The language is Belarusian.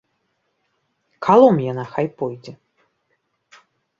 Калом яна хай пойдзе!